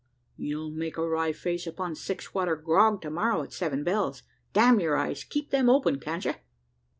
You'll make a wry face upon six water grog, to morrow, at seven bells. Damn your eyes, keep them open can't you?"